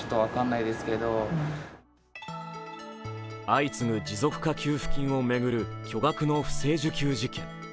相次ぐ持続化給付金を巡る巨額の不正受給事件。